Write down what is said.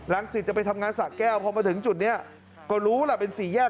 สิทธิ์จะไปทำงานสะแก้วพอมาถึงจุดนี้ก็รู้ล่ะเป็นสี่แยก